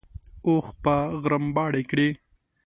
اوښ به غرمباړې کړې.